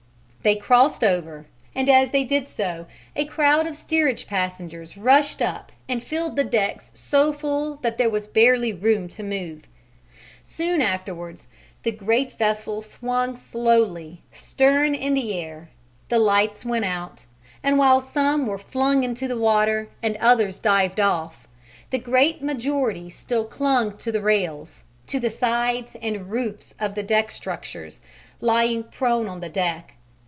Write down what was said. They crossed over, and as they did so a crowd of steerage passengers rushed up and filled the decks so full that there was barely room to move. Soon afterwards the great vessel swung slowly, stern in the air, the lights went out, and while some were flung into the water and others dived off, the great majority still clung to the rails, to the sides and roofs of deck structures, lying prone on the deck.